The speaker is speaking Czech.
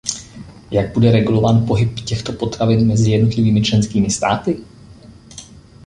Jak bude regulován pohyb těchto potravin mezi jednotlivými členskými státy?